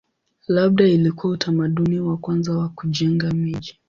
Labda ilikuwa utamaduni wa kwanza wa kujenga miji.